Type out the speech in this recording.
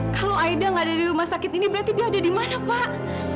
kalau aida nggak ada di rumah sakit ini berarti dia ada di mana pak